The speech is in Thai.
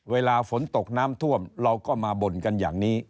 เวลาฝนตกน้ำท่วมเราก็มาบ่นกันอย่างนี้